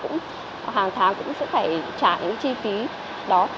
cũng hàng tháng cũng sẽ phải trả những chi phí đó